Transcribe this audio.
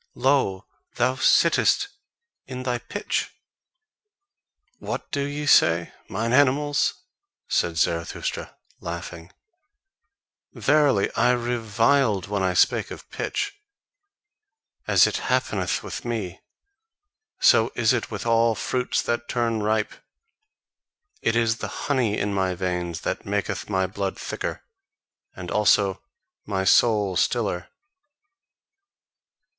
Lo, thou sittest in thy pitch!" "What do ye say, mine animals?" said Zarathustra, laughing; "verily I reviled when I spake of pitch. As it happeneth with me, so is it with all fruits that turn ripe. It is the HONEY in my veins that maketh my blood thicker, and also my soul stiller."